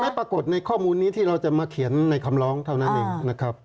ปรากฏในข้อมูลนี้ที่เราจะมาเขียนในคำร้องเท่านั้นเองนะครับ